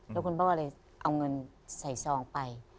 แล้วคุณพ่อเลยเอาเงินใส่ซองไป